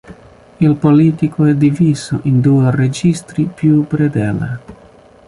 Il Polittico è diviso in due registri più predella.